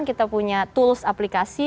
kita punya tools aplikasi